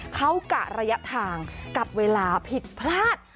เขากะระยะทางกับเวลาผิดพลาด